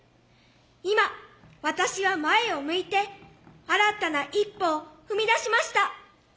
今私は前を向いて新たな一歩を踏み出しました。